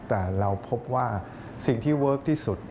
แต่เราพบว่าสิ่งที่เวิร์คที่สุด